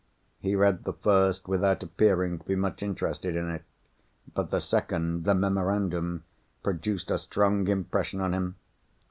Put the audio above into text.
He read the first without appearing to be much interested in it. But the second—the memorandum—produced a strong impression on him.